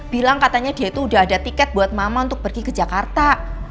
bilang katanya dia itu udah ada tiket buat mama untuk pergi ke jakarta